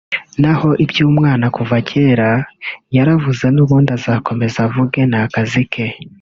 naho iby’umwana kuva kera yaravuze n’ubundi azakomeza avuge ni akazi ke